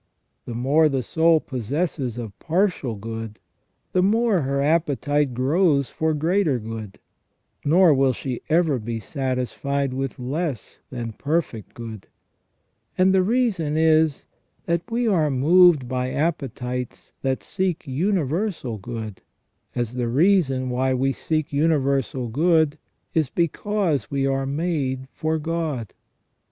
The more the soul possesses of partial good, the more her appetite grows for greater good, nor will she ever be satisfied with less than perfect good ; and the reason is, that we are moved by appetites that seek universal good, as the reason why we seek universal good is because we are made for God.